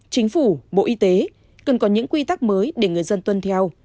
chính phủ bộ y tế cần có những quy tắc mới để người dân tuân theo